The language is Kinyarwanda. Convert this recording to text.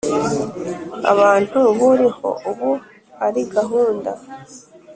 abantu buriho ubu ari gahunda